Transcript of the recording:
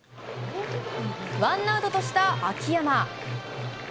ワンアウトとした秋山。